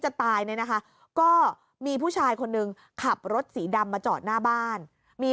จะตายเนี่ยนะคะก็มีผู้ชายคนหนึ่งขับรถสีดำมาจอดหน้าบ้านมี